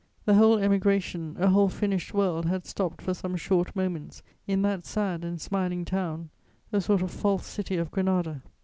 The whole Emigration, a whole finished world had stopped for some short moments in that sad and smiling town, a sort of false city of Granada.